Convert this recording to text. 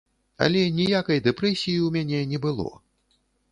Але ніякай дэпрэсіі ў мяне не было.